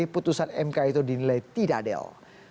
putusan mk itu dinilai tidak adil